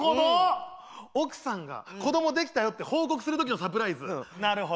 奥さんが子どもできたよって報告するときのサプライズ。